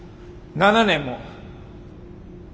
７年も！